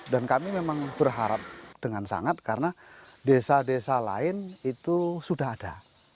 dan kami memang berharap dengan sangat karena desa desa lain itu sudah ada